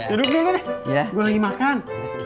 duduk dulu deh gue lagi makan